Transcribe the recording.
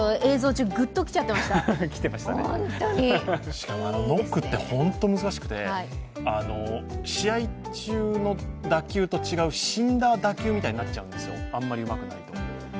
しかもノックって本当に難しくて、試合中の打球と違う死んだ打球みたいになっちゃうんですよ、あんまりうまくないと。